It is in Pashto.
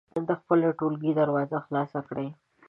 د خپل ټولګي دروازه خلاصه کړئ.